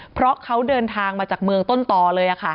เพราะเขาเดินทางมาจากเมืองต้นต่อเลย